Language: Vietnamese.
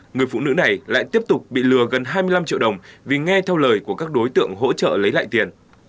người phụ nữ này lại tiếp tục bị lừa gần hai mươi năm triệu đồng vì nghe theo lời của các đối tượng hỗ trợ lấy lại tiền